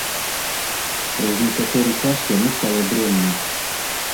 Праз некаторы час яму стала дрэнна.